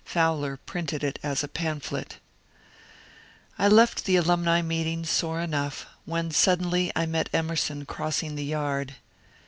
Fowler printed it as a pamphlet. I left the Alunmi meeting sore enough, when suddenly I met Emerson crossing the Yard.